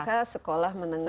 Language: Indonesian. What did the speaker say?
smk sekolah menengah kejuruan